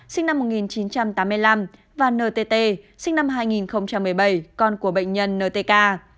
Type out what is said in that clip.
sinh năm một nghìn chín trăm tám mươi năm và ntt sinh năm hai nghìn một mươi bảy con của bệnh nhân ntk